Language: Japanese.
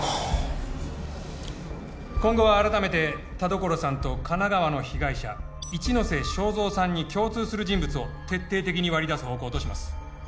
今後は改めて田所さんと神奈川の被害者一ノ瀬正造さんに共通する人物を徹底的に割り出す方向とします